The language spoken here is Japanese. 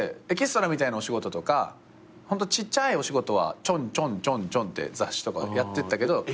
エキストラみたいなお仕事とかホントちっちゃいお仕事はちょんちょんちょんちょんって雑誌とかやってったけど。